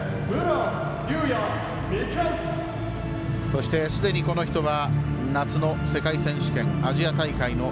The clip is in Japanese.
そして、すでに、この人は夏の世界選手権、アジア大会の